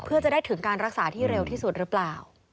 เพื่อจะได้ถึงการรักษาที่เร็วที่สุดหรือเปล่า